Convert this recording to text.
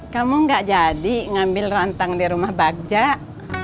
kamu ga jadi ngambil rantang di rumah bajak